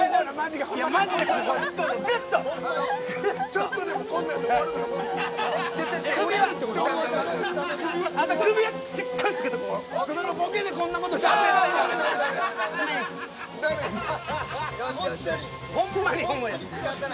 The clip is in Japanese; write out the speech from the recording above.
ちょっとでもこんなんしたら折れるから。